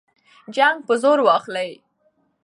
جنګ به زور واخلي.